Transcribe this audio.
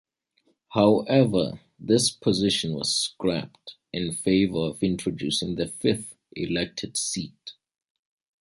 However, this position was scrapped in favour of introducing the fifth elected seat.